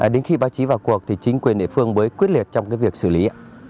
đến khi báo chí vào cuộc thì chính quyền địa phương mới quyết liệt trong việc xử lý